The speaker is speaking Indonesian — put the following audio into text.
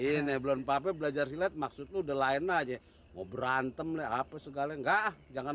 ini belum pake belajar silat maksudnya udah lain aja mau berantem leh apa segala nggak jangan